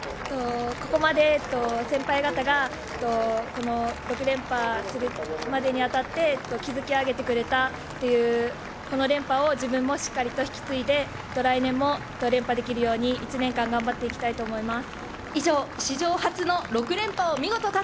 ここまで先輩方がこの６連覇するまでにあたって築き上げてくれたこの連覇を自分もしっかりと引き継いで来年も連覇できるように１年間、頑張っていきたいと思います。